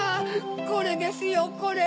これですよこれ！